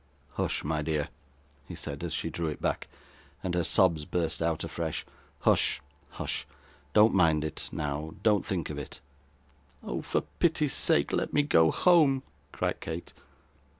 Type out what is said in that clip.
'Hush, my dear!' he said, as she drew it back, and her sobs burst out afresh. 'Hush, hush! Don't mind it, now; don't think of it.' 'Oh, for pity's sake, let me go home,' cried Kate.